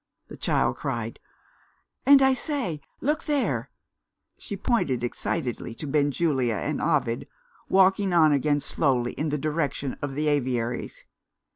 the child cried. "And, I say, look there!" She pointed excitedly to Benjulia and Ovid, walking on again slowly in the direction of the aviaries.